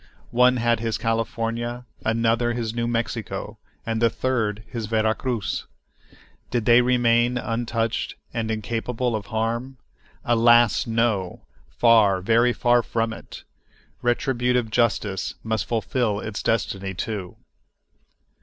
One had his California, another his New Mexico, and the third his Vera Cruz. Did they remain untouched and incapable of harm? Alas! no—far, very far, from it. Retributive justice must fulfil its destiny, too.